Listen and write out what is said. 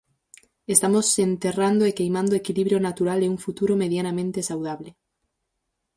Estamos enterrando e queimando o equilibrio natural e un futuro medianamente saudable.